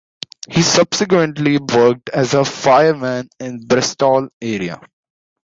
He subsequently worked as a fireman in the Bristol area.